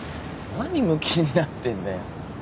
何むきになってんだよ。